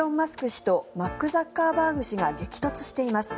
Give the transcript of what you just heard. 氏とマーク・ザッカーバーグ氏が激突しています。